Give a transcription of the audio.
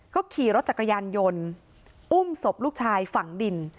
ก็ขี่รถจักรยานยนต์อุ้มศพลูกชายฝังดิน